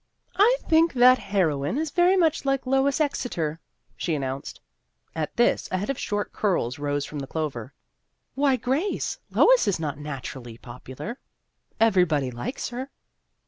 " I think that heroine is very much like Lois Exeter," she announced. At this, a head of short curls rose from the clover. " Why, Grace, Lois is not naturally popular." " Everybody likes her."